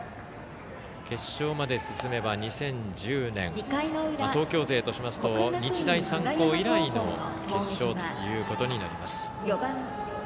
決勝まで進めば２０１０年東京勢としますと日大三高以来の決勝ということになります。